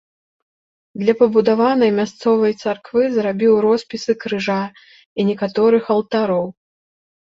Для пабудаванай мясцовай царквы зрабіў роспісы крыжа і некаторых алтароў.